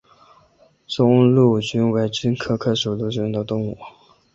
中麝鼩为鼩鼱科麝鼩属的动物。